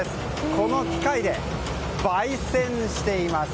この機械で焙煎しています。